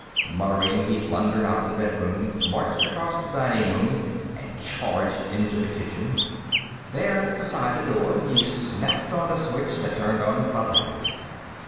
Muttering, he blundered out of the bedroom, marched across the dining room and charged into the kitchen. There, beside the door, he snapped on the switch that turned on the floodlights.